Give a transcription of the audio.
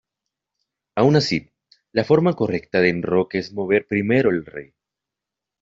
Aun así, la forma correcta de enroque es mover primero al rey.